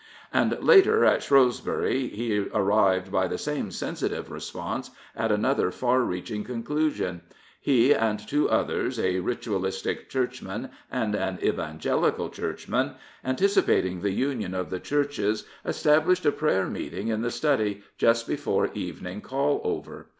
And later, at Shrewsbury, he arrived, by the same sehsitive response, at another far reaching conclusion. He and two others, a Ritualistic Churchman and an Evangelical Church man, anticipating the union of the Churches, estab lished a prayer meeting in the study just before evening call over.